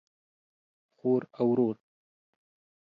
خور او ورور